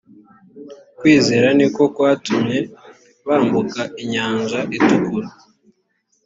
kwizera ni ko kwatumye bambuka inyanja itukura